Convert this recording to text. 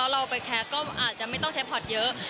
เราไปแคสติ้งก็อาจจะไม่ต้องใช้พอสเยอะ